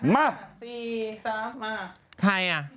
มา